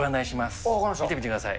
行ってみてください。